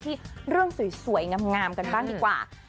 ที่เรื่องสวยงามกันบ้างดีกว่า